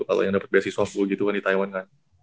kalau yang dapet beasiswa gue gitu kan di taiwan kan